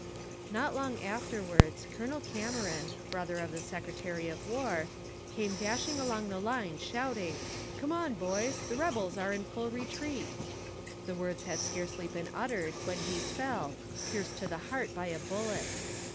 Not long afterwards Col. Cameron, brother of the Secretary of War, came dashing along the line, shouting, "Come on boys, the rebels are in full retreat." The words had scarcely been uttered when he fell, pierced to the heart by a bullet.